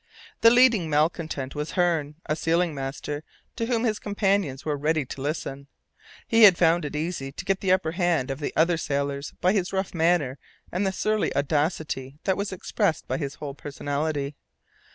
The leading malcontent was Hearne, a sealing master, to whom his companions were ready to listen. He had found it easy to get the upper hand of the other sailors by his rough manner and the surly audacity that was expressed by his whole personality.